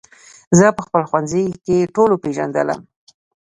زه په خپل ښوونځي کې ټولو پېژندلم